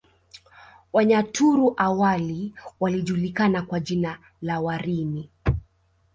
Wanyaturu awali walijulikana kwa jina la Warimi